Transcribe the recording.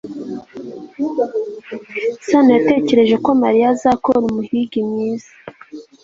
sano yatekereje ko mariya azakora umuhigi mwiza